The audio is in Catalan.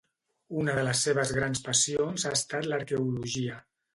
Una de les seves grans passions ha estat l’arqueologia.